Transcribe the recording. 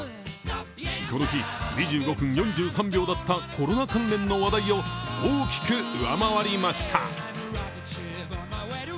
この日、２５分４３秒だったコロナ関連の話題を大きく上回りました。